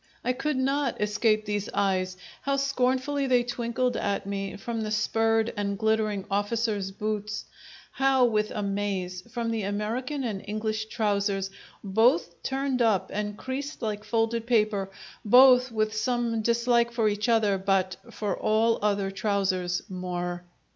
I could not escape these eyes; how scornfully they twinkled at me from the spurred and glittering officers' boots! How with amaze from the American and English trousers, both turned up and creased like folded paper, both with some dislike for each other but for all other trousers more.